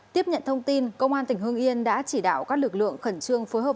tiếp nhận thông tin công an tỉnh hương yên đã chỉ đạo các lực lượng khẩn trương phối hợp